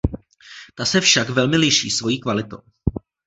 Ta se však velmi liší svojí kvalitou.